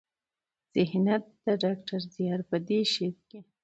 ذهنيت د ډاکټر زيار په دې شعر کې